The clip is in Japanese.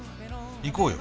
行こうよ。